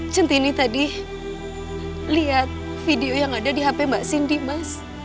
centini tadi lihat video yang ada di hp mbak cindy mas